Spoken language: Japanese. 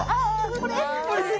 これ？